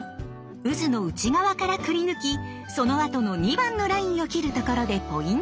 うずの内側からくりぬきそのあとの２番のラインを切るところでポイントが！